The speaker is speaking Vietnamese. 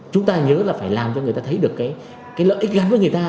chúng ta nhớ là phải làm cho người ta thấy được cái lợi ích gắn với người ta